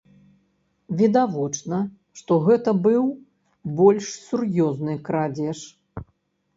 Відавочна, што гэта быў больш сур'ёзны крадзеж.